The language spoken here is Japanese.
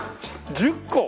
１０個！？